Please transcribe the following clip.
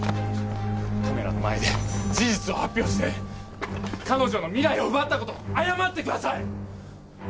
カメラの前で事実を発表して彼女の未来を奪った事を謝ってください！